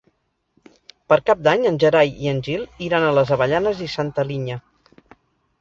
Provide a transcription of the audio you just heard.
Per Cap d'Any en Gerai i en Gil iran a les Avellanes i Santa Linya.